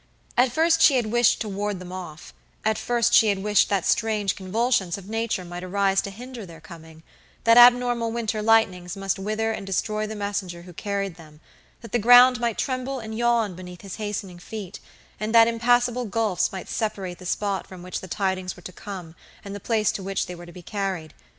At first she had wished to ward them offat first she had wished that strange convulsions of nature might arise to hinder their comingthat abnormal winter lightnings might wither and destroy the messenger who carried themthat the ground might tremble and yawn beneath his hastening feet, and that impassable gulfs might separate the spot from which the tidings were to come and the place to which they were to be carried.